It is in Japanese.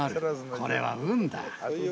これは運だ。